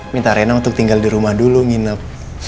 minta arena untuk tinggal di rumah dulu nginep